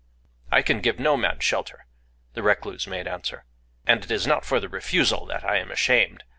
"I can give no man shelter," the recluse made answer;—"and it is not for the refusal that I am ashamed.